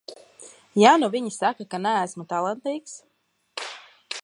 Ja nu viņi saka, ka neesmu talantīgs?